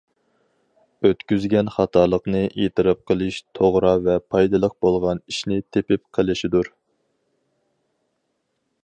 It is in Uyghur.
ئۆتكۈزگەن خاتالىقنى ئېتىراپ قىلىش توغرا ۋە پايدىلىق بولغان ئىشنى تېپىپ قىلىشىدۇر.